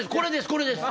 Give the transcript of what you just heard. これです！